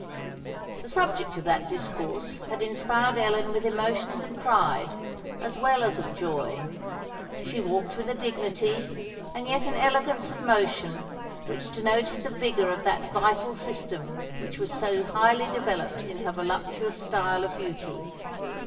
The subject of that discourse had inspired Ellen with emotions of pride, as well as of joy. She walked with a dignity and yet an elegance of motion which denoted the vigour of that vital system which was so highly developed in her voluptuous style of beauty.